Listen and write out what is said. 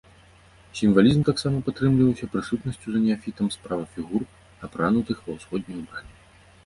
Сімвалізм таксама падтрымліваўся прысутнасцю за неафітам справа фігур, апранутых ва ўсходняе ўбранне.